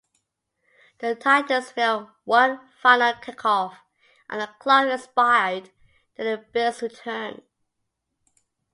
The Titans made one final kickoff, and the clock expired during the Bills' return.